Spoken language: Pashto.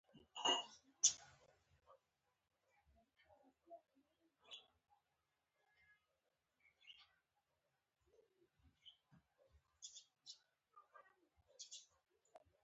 د باران د څاڅکو شور پیرم